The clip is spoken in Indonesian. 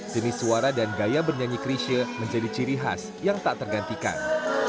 jenis suara dan gaya bernyanyi krisha menjadi ciri khas yang tak tergantikan